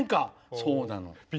そうなの。